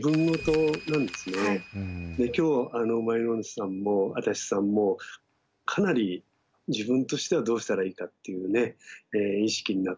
で今日舞の海さんも足立さんもかなり自分としてはどうしたらいいかっていう意識になったと思うんです。